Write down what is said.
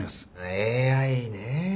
ＡＩねぇ。